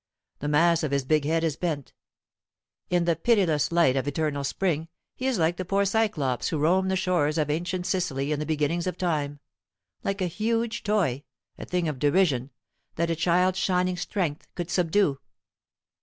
The mass of his big head is bent. In the pitiless light of eternal spring, he is like the poor Cyclops who roamed the shores of ancient Sicily in the beginnings of time like a huge toy, a thing of derision, that a child's shining strength could subdue.